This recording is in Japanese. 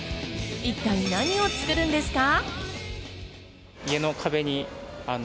一体何を作るんですか？